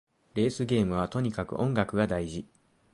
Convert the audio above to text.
レースゲームはとにかく音楽が大事